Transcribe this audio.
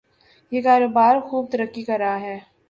یہ کاروبار خوب ترقی کر رہا ہے۔